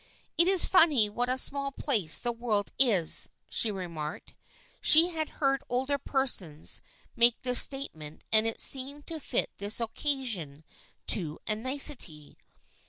" It is funny what a small place the world is," she remarked. She had heard older persons make this statement and it seemed to fit this occasion to a nicety.